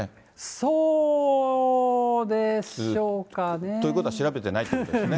そうでしょうかね。ということは調べてないということですね。